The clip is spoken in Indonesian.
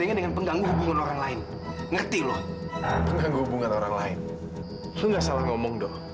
ya karena kedatangan kamu